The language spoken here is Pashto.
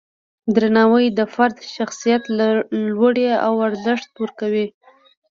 درناوی د فرد شخصیت لوړوي او ارزښت ورکوي.